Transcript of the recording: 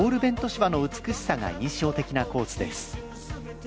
芝の美しさが印象的なコースです。